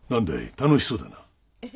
楽しそうだな。